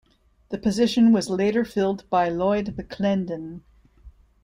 The position was later filled by Lloyd McClendon.